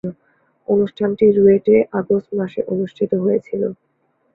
অনুষ্ঠানটি রুয়েটে আগস্ট মাসে অনুষ্ঠিত হয়েছিলো।